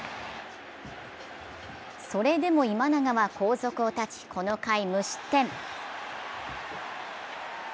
それでも今永は後続を断ち、この回無失点。